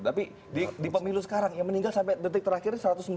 tapi di pemilu sekarang yang meninggal sampai detik terakhir